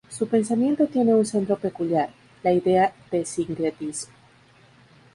Su pensamiento tiene un centro peculiar: la idea de sincretismo.